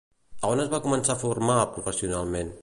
A on es va començar a formar professionalment?